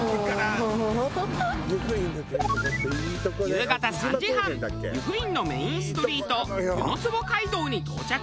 夕方３時半由布院のメインストリート湯の坪街道に到着。